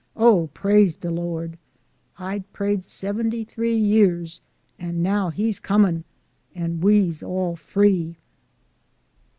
Oh ! Praise de Lord ! I 'd prayed seventy three years, an' now he 's come an' we's all free."